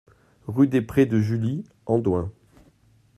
Rue des Prés de Julie, Andoins